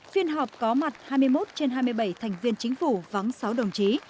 phiên họp có mặt hai mươi một trên hai mươi bảy thành viên chính phủ vắng sáu đồng chí